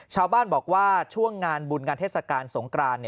ชาวบ้านบอกว่าช่วงงานบุญงานเทศกาลสงกราน